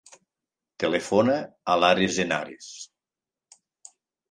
Telefona a l'Ares Henares.